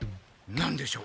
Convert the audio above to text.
何でしょう？